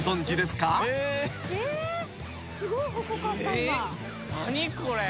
すごい細かったんだ。